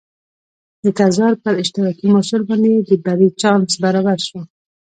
د تزار پر اشتراکي مورچل باندې د بري چانس برابر شو.